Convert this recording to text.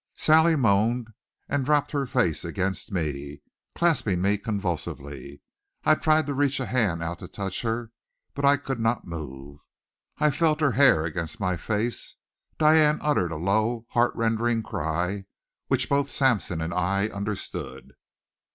Sally moaned and dropped her face against me, clasping me convulsively. I tried to reach a hand out to touch her, but I could not move. I felt her hair against my face. Diane uttered a low heart rending cry, which both Sampson and I understood.